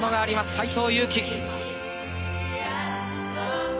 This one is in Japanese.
斎藤佑樹。